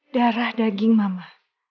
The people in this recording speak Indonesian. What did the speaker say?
darah daging mama